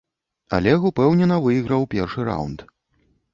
Алег упэўнена выйграў першы раўнд.